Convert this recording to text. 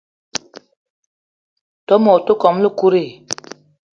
Ntol mot wakokóm ekut i?